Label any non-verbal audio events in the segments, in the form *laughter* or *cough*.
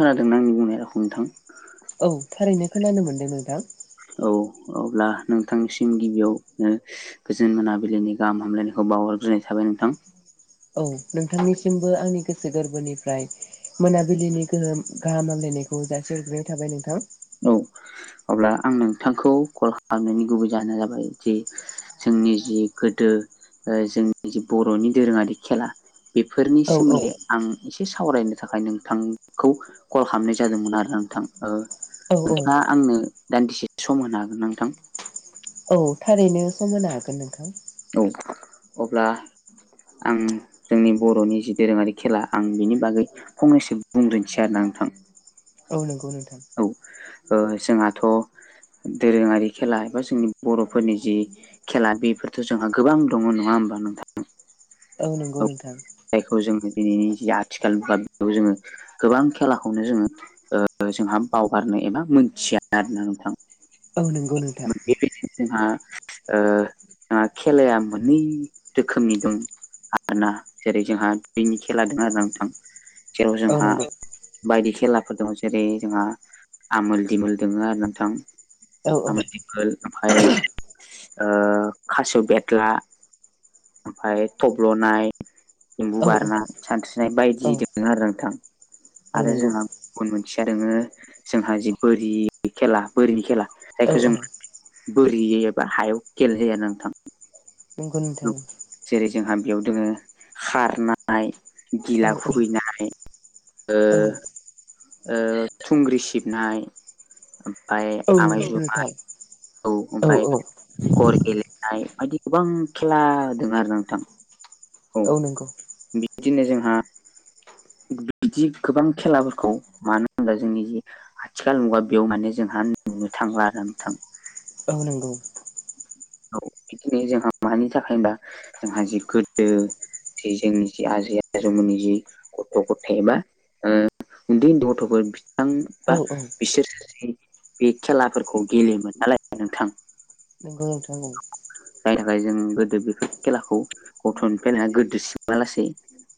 खोनादों आंनि बुंनाय रावखौ नोंथां औ थारैनो खोनानो मोनदों नोंथां। औ अब्ला नोंथांनिसिम गिबियावनो गोजोन मोनाबिलिनि गाहाम हामलायनायखौ बावहरग्रोनाय थाबाय नोंथां। औ नोंथांनिसिमबो आंनि गोसो गोरबोनिफ्राय मोनाबिलिनि गोहोम गाहाम हामलायनायखौ खौ जासि हरग्रोनाय थाबाय नोंथां। औ अब्ला आं नोंथांखौ कल खालामनायनि गुबै जाहोनानो जाबाय जे जोंनि जि गोदो ओ जोंनि जि बर'नि दोरोङारि खेला बेफोरनि औ औ सोमोन्दै आं एसे सावरायनो थाखाय नोंथांखौ कल खालामनाय जादोंमोन आरो नोंथां ओ औ औ नोंथाङा आंनो दान्दिसे सम होनो हागोन नोंथां औ थारैनो सम होनो हागोन नोंथां औ अब्ला आं जोंनि बर'नि जि दोरोङारि खेला आं बेनि बागै फंनैसो बुंग्रोनोसै आरो ना नोंथां औ नंगौ नोंथां औ ओ जोंहाथ' दोरोङारि खेला एबा जोंनि बर'फोरनि जि खेला बेफोरथ' जोंहा गोबां दङ नङा होमबा नोंथां औ नंगौ नोंथां जायखौ जोङो दिनैनि जि आथिखाल मुगा बेखौ जोङो गोबां खेलाखौनो जोङो ओ जोंहा बावगारनो एबा मोनथिया आरोना नोंथां औ नंगौ नोंथां बेबायदिनो जोंहा ओ खेलाया मोननै रोखोमनि दं आरोना जेरै जोंहा दैनि खेला द‌ङ आरो ना नोंथां जेराव औ जोंहा नंगौ बायदि खेलाफोर दं जेरै जोंहा आमोल दिमोल दङ आरो नोंथां औ आमोल ओमफ्राय ओ खासेव' बेन्द्रा ओमफ्राय थब्ल'नाय एम्बु औ बारनाय सानस्रिनाय बायदि औ दं आरो नोंथां औ आरो नंगौ जोंहा गुबुन मोनसेया दङो जोंहा जि बोरि खेला बोरिनि खेला औ जायखौ जों बोरि एबा हायाव खेलेनाय जायो आरो नोंथां नोंगौ नोंथां जेरै जोंहा बेयाव दङ खारनाय औ गिला औ खुबैनाय औ थुंग्रि सिबनाय ओमफ्राय आमाय नंगौ जुमाय नोंथां औ ओमफ्राय गर गेलेनाय बायदि गोबां खेला दङ आरोना नोंथां औ नंगौ बिदिनो जोंहा बिदि गोबां खेलाफोरखौ मानो होनोब्ला जोंनि जि आथिखाल मुगा बेयाव माने जोंहा नुनो थांला आरो नोंथां औ नंगौ औ बिदिनो जोंहा मानि थाखाय होनबा जोंहा जि गोदो जि जोंनि जि आजै आजौमोननि जि गथ' गथाइ एबा उन्दै उन्दै गथ'फोर नोंथां औ बा औ बिसोर बे खेलाफोरखौ गेलेयोमोन नालाय नोंथां नोंगौ नोंथां औ जायनि थाखाय जों गोदो बेफोर खेलाखौ गथ'निफ्राय लानानै गोदोर सिमा लासेै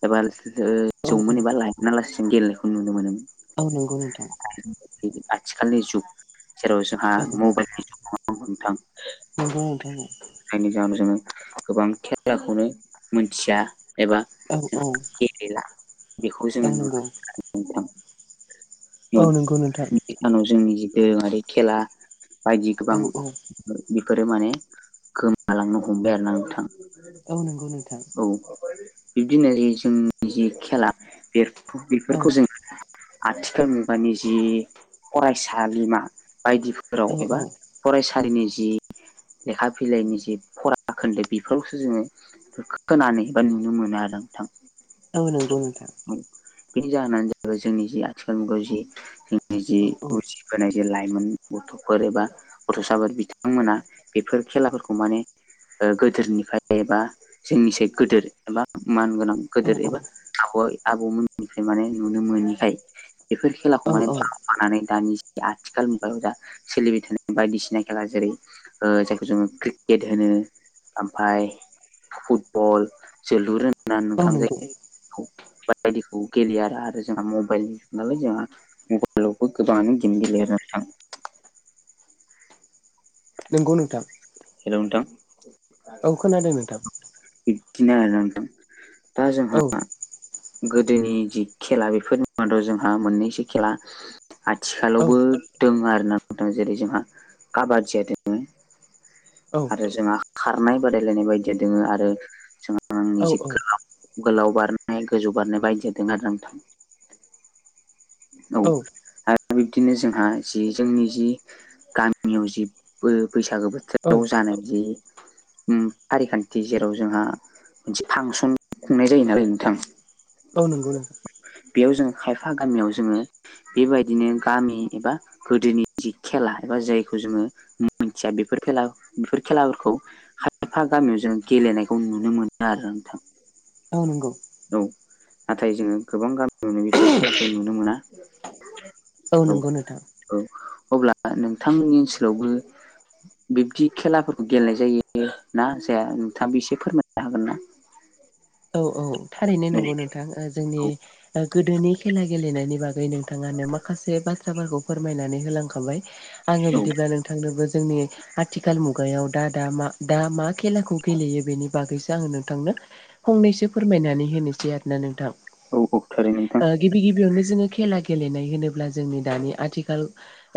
एबा ओ औ जौमोन एबा लायमोना लासि सिम गेलेनायखौ नुनो मोनोमोन औ नंगौ नोंथां आथिखालनि जुग जेराव जोंहा औ मबाइलनि जुग नोंथां नंगौ नोंथां औ जायनि जाहोनाव जोङो गोबां खेलाखौनो मोनथिया एबा औ औ जोंहा बे गैला बेखौ औ जोङो नुनो नंगौ मोनो आरोना नोंथां औ नंगौ नोंथां। आथिखालाव जोंनि जे दोरोङारि खेला बायदि औ गोबां औ बिफोरो माने गोमालांनो हमबाय आरोना नोंथां। औ नंगौ नोंथां। औ बिब्दिनो जोंनि जि खेला बे औ बेफोरखौ जों आथिखाल मुगानि जि फरायसालिमा औ बायदिफोराव औ एबा फरायसालिनि जि लेखा बिलाइनि जि फरा खोन्दो बेफोरावसो जोङो खोनानै बा नुनो मोनो आरो नोंथां। औ नंगौ नोंथां। बेनि जाहोनानो जाहैबाय जोंनि जि आथिखाल मुगायाव जि जोंनि जि औ औ उजिबोनाय जि लाइमोन गथ'फोर एबा गथ'साफोर बिथांमोना बेफोर खेलाफोरखौ माने ओ गोदोनिफ्राय बा जोंनिसाय गोदोर एबा मान गोनां औ गोदोर औ एबा आबय आबौमोननिफ्राय माने नुनो मोनैखाय। बेफोर खेलाखौ औ औ माने *unintelligible* दानि आथिखाल मुगायाव दा सोलिबाय थानाय बायदिसिना खेला जेरै ओ जायखौ जोङो क्रिकेट होनो। ओमफाय फुटबल जोलुर होनोना औ नोंथां नंगौ जायखौ। बायदिखौ गेलेयो आरो आरो जोंहा मबाइल नालाय जोंहा। मबाइल आवबो गोबांङानो गेम गेलेयो आरो नोंथां। नंगौ नोंथां। हेलौ नोंथां औ खोनादों नोंथां बिदिनो आरो ना नोंथां दा जों औ गोदोनि जि खेला बेफोरनि मादाव जोंहा मोननैसो खेला औ आथिखालावबो दङ आरो नोंथां जेरै जोंहा आबाद *unintelligible* औ आरो जोंहा खारनाय बादायलायनाय बायदिया दोङो आरो जोंहा आंनि जि औ गोलाव गोलाव बारनाय गोजौ बारनाय बायदिया दोंङो आरो नोंथां। औ आरो बिब्दिनो जोंहा जि जोंनि जि गामियाव जि बो बैसागो औ बोथोराव जानाय जि। ओम फारिखान्थि जेराव जोंहा मोनसे फांसन खुंनाय जायो नालाय नोंथां। औ नंगौ नों बेयाव जोङो खायफा गामियाव जोङो बेबायदिनो गामि एबा गोदोनि जि खेला एबा जायखौ जोङो मोनथिया बेफोर खेला बेफोर खेलाफोरखौ खायफा गामियाव जों गेलेनायखौ नुनो मोनो आरो नोंथां। औ नंगौ। औ नाथाय जोङो गोबां गामियावनो बेफोर खेलखौ नुनो मोना। औ नंगौ नोंथां। औ अब्ला नोंथांनि ओनसोलावबो बिब्दि खेलाफोरखौ गेलेनाय जायो ना जाया नोंथाङाबो एसे फोरमायनो हागोन ना? औ औ थारैनो नंगौ औ नोंथां ओ जोंनि ओ गोदोनि खेला गेलेनायनि बागै नोंथाङानो माखासे बाथ्राफोरखौ फोरमायनानै होलांखाबाय। आङो औ बिदिब्ला नोंथांनोबो जोंनि आथिखाल मुगायाव दा दा मा दा मा खेलाखौ गेलेयो बेनि बागैसो आङो नोंथांनो फंनैसो फोरमायनानै होनोसै आरोना नोंथां। औ औ थारै ओ नोंथां। गिबि गिबियावनो जोङो खेला गेलेनाय होनोब्ला जोंनि दानि आथिखाल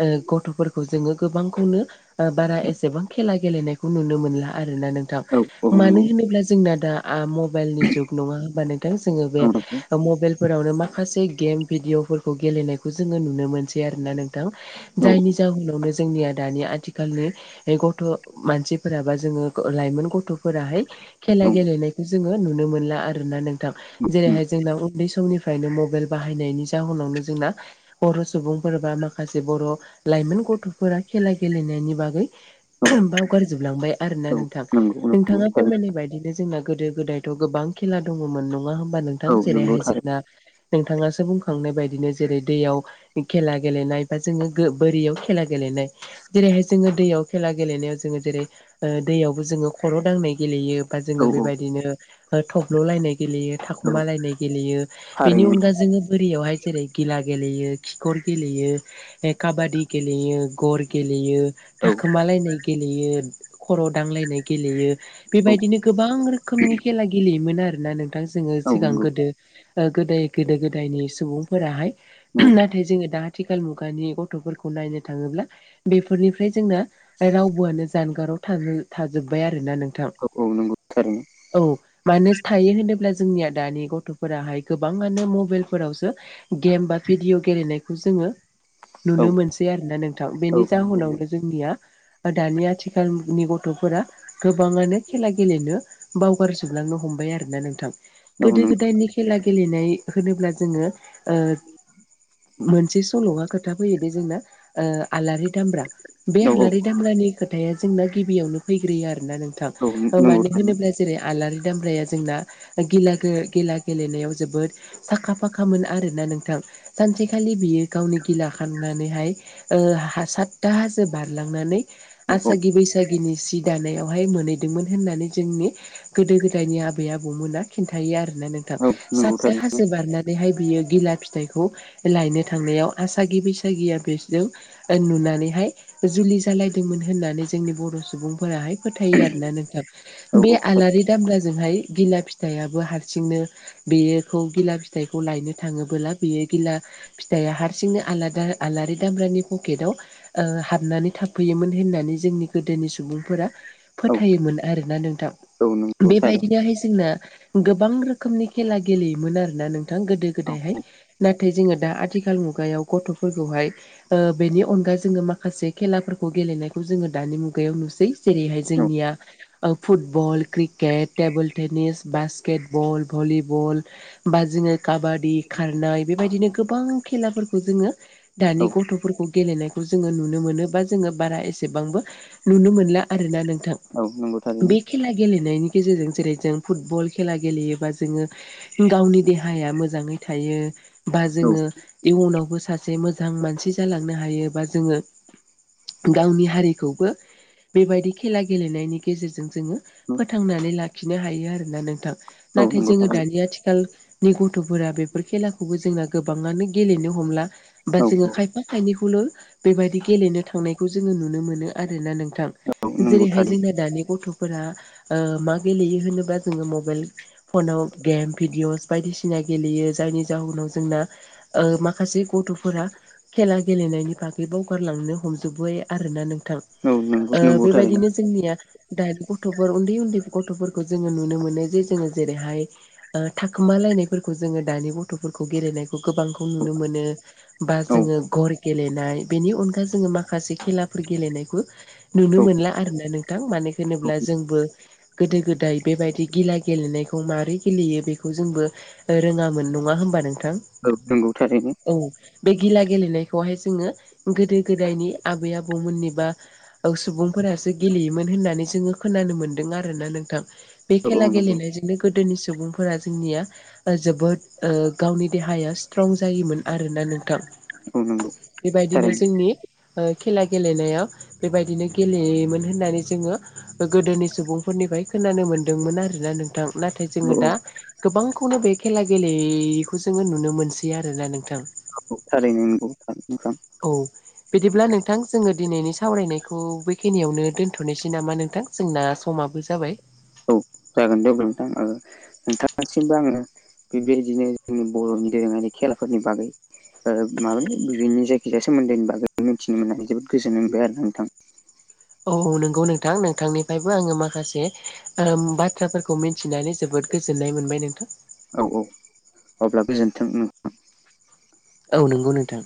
ओ गथ'फोरखौ जोङो गोबांखौनो ओ बारा एसेबां खेला गेलेनायखौ नुनो मोनला आरोना नों थां औ औ मानो नंगौ होनोब्ला जोंना दा आ म मबाइलनि जुग नङा होनोमबा नोंथां जोङो बे औ नंगौ मबाइलफोरावनो माखासे गेम भिदिअफोर गेलेनायखौ जोङो नुनो मोनसै आरोना नोंथां औ जायनि जाउनावनो जोंनिया दानि आथिखालनि गथ' मानसिफोरा बा जोङो लाइमोन गथ'फोराहाय खेला औ गेलेनायखौ जोङो नुनो मोनला आरोोना नोंथां जेरैहाय जोंना उन्दै समनिफ्राय फ्रायनो मबाइल बाहायनायनि जाहोनावनो जोंना बर' सुबुंफोर बा माखासे बर' लाइमोन गथ'फोरा खेला गेलेनायनि बागै औ बावगारजोबलांबाय आरोना औ नोंथां नंगौ नंगौ नोंथाङा थारैनो। फोरमायनाय बायदिनो जोंना गोदो गोदायथ' गोबां खेला दङमोन नङा होमबा नोंथां औ नंगौ जेरैहाय थारैनो जोंना नोंथाङासो बुंखांनाय बायदिनो जेरै दैयाव खेला गेलेनाय बा जोङो गो बोरियाव खेला गेलेनाय। जेरैहाय जोङो दैयाव खेला गेलेनायाव जोङो जेरै ओ दैयावबो जोङो खर' दांनाय गेलेयो। बा औ जोङो औ बेबायदिनो थब्ल'लायनाय गेलेयो। औ थाखुमालायनाय गेलेयो बेनि अनगा थारैनो जोङो बोरियावहाय जेरै गिला गेलेयो खिखर गेलेयो काबादि गेलेयो गर गेलेयो। औ थाखोमालायनाय गेलेयो खर' दांलायनाय गेलेयो बेबायदिनो गोबां रोखो योमोन आरो ना नोंथां जोङो। औ सिगां नंगौ गोदो ओ गोदाय गोदो गोदायनि सुबुंफोराहाय औ नाथाय जोङो दा थिखाल मुगानि गथ'फोरखौ नायनो थाङोब्ला बेफोरनिफ्राय जोंना रावबोआनो जानगाराव थानो थाजोबबाय आरोना नोंथां। औ औ नंगौ थारैनो। औ मानो थायो होनोब्ला जोंनिया दानि गथ'फोराहाय गोबाङानो मबेइलफोरावसो गेम बा भिडिअ' गेलेनायखौ जोङो औ नुनो मोनसै आरोना नोंथां औ बेनि नंगौ जाहोनावनो जोंनिया बा दानि आथिखालनि गथ'फोरा गोबाङानो खेला गेलेनो बावगार जोबलांनो हमबाय आरो ना नोंथां औ गोदो नंगौ गोदायनि खेला गेलेनाय होनोब्ला जोङो ओ मोनसे सल'आ खोथा फैयोदि जोंना ओ आलारि दामब्रा। बे थारैनो औ हालारि दामब्रानि खोथाया जोंना गिबियावनो फैग्रोयो आरो ना नोंथां औ नंगौ मानो थारैनो होनोब्ला जेरै आलारि दामब्राया जोंना गिला गो गिला गेलेनायाव जोबोद आखा फाखामोन आरोना नोंथां। सानसेखालि बियो गावनि गिला खाननानैहाय सातथा हाजो बारलांनानै औ आसागि बैसागिनि सि दानायावहाय मोनहैदोंमोन होननानै जोंनि गोदो गोदायनि आबै आबौमोना खिन्थायो आरोना नोंथां सातथा हाजो बारनानैहाय बियो गिला फिथाइखौ लायनो थांनायाव आसागि बैसागिया बेसोरजों ओ नुनानैहाय जुलि जालायदोंमोन होननानै जोंनि बर' सुबुंफोराहाय फोथायो आरोना नोंथां औ थारैनो औ नंगौ थारैनो औ बे आलारि दामलाजोंहाय गिला फिथाइयाबो हारसिंनो बेयोखौ गिला फिथाइखौ लायनो थाङोबोला बेयो गिला फिथाइआ हारसिंनो आलादा आलारि दामब्रानि पकेटाव ओ हाबनानै थाफैयोमोन होननानै जोंनि गोदोनि सुबुंफोरा औ फोथायोमोन आरोना नोंथां नंगौ थारैनो औ नंगौ थारैनो औ नंगौ थारैनो औ नंगौ थारैनो औ औ बेबायदिनोहाय जोंना गोबां रोखोमनि खेला गेलेयोमोन आरोना नोंथां गोदो औ गोदायहाय नाथ नाथाय जोङो दा आथिखाल मुगायाव गथ'फोरखौहाय ओ बेनि अनगा जोङो माखासे खेलाफोरखौ गेलेनायखौ जोङो दानि मुगायाव नुसै। जेरैहाय जोंनिया ओ football. Cricket table tennis basketball volleyball. बा जोङो काबादि खारनाय बेबायदिनो गोबां खेलाफोरखौ जोङो दानि गथ' फोरखौ गेलेनायखौ जोङो नुनो मोनो बा जोङो बारा एसेबांबो नुनो मोनला आरोना नोंथां। बे खेला गेलेनायनि गेजेरजों जेरै जों फुटबल खेला गेलेयोबा जोङो गावनि देहाया मोजाङै थायो। बा जोङो इयुनावबो सासे मोजां मानसि जालांनो हायोबा जोङो गावनि हारिखौबो बेबायदि खेला गेलेनायनि गेजेरजों जोङो फोथांनानै लाखिनो हायो आरोना नोंथां नाथाय जोङो दानि आथिखाल नि गथ'फोरा बेफोर खेलाखौबो जोंना गोबाङानो गेलेनो हमला बा जोङो नंगौ खायफ फा खायनिखौल' बेबायदि गेलेनो थांनायखौ जोङो नुनो मोनो आरोना नोंथां। जेरैहाय जोंना दानि गथ'फोरा ओ मा गेलेयो होनोबा जोङो मबेइल। फनाव गेम भिडिअस बायदिसिना गेलेयो जायनि जाहोनाव जोंना ओ माखासे गथ'फोरा खेला गेलेनायनि बागै बावगारलांनो हमजोबबाय आरोना नोंथां। ओ बेबायदिनो जोंनिया दानि गथ'फोर उन उन्दै उन्दै गथ'फोरखौ जोङो नुनो मोनो जे जोङो जेरैहाय ओ थाखोमालायनायफोरखौ जोङो दानि गथ'फोरखौ गेलेनायखौ गोबांखौ नुनो मोनो। बा जोङो घर गेलेनाय बेनि अनगा जोङो माखासे खेलाफोर गेलेनायखौ नुनो मोनला आरोना नोंथां मानो होन होनोब्ला जोंबो गोदो गोदाय बेबायदि गिला गेलेनायखौ मारै गेलेयो बेखौ जोंबो रोङामोन नङा होमबा नोंथां? औ नोंगौ थारैनो औ बे गिला गेलेनायखौहाय जोङो गोदो गोदायनि आबै आबौमोननि बा औ सुबुंफोरासो गेलेयोमोन होननानै जोङो खोनानो मोन दों आरोना नोंथां बे औ औ खेला नंगौ गेलेनायजोंनो गोदोनि सुबुंफोरा जोंनिया जोबोद ओ गावनि देहाया स्ट्रं जायोमोन आरोना नोंथां। औ नंगौ बेबायदिनो थारैनो जोंनि ओ खेला गेलेनायाव बेबायदिनो गेलेयोमोन होननानै जोङो गोदोनि सुबुंफोरनिफ्राय खोनानो मोन्दोंमोन आरोना नोंथां नाथाय औ जोङो औ दा गोबांखौनो बे खेला गेलेयिखौ जोङो नुनो मोनसै आरोना नोंथां। औ थारैनो नंगौ थार नोंथां। औ बिदिब्ला नोंथां जोङो दिनैनि सावरायनायखौ बेखिनियावनो दोन्थ'नोसै नामा नोंथां जोंना समाबो जाबाय। औ जागोन दे नोंथां ओ नोंथांसिमबो आङो बेबायदिनो जोंनि बर'नि दोरोङारि खेलाफोरनि बागै ओ मामोनलाय बिनि जायखिजाया सोमोन्दैनि बागै मिथिनो मोननावै जोबोद गोजोन मोनबाय आरो नोंथां। औ औ नंगौ नोंथां नोंथांनिफ्रायबो आङो माखासे बाथ्राफोरखौ मिथिनानै जोबोद गोजोननाय मोनबाय नोंथां। औ औ अब्ला गोजोनथों। औ नंगौ नोंथां